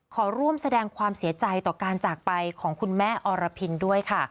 ขอร่วมแสดงความเสียใจต่อการจากไปของคุณแม่อรพินด้วยค่ะ